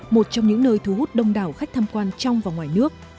một trong những nơi thu hút đông đảo khách tham quan trong và ngoài nước